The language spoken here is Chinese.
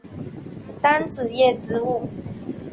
单子叶植物。